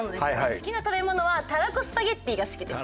好きな食べ物はたらこスパゲッティが好きです。